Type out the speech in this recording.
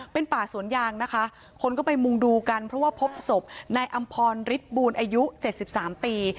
เป็นป่าสวนยางนะคะคนก็ไปมุงดูกันเพราะว่าพบศพนายอำพรฤทธิ์บูรณ์อายุ๗๓ปี